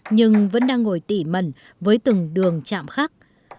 nhưng vẫn đang ngồi tỉ mẩn với từng đường chạm khắc